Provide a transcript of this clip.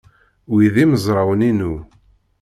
Wi d imezrawen-inu.